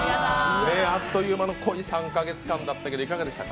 あっという間の濃い３か月間だったけどどうでした？